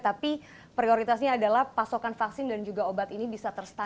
tapi prioritasnya adalah pasokan vaksin dan juga obat ini bisa terstandar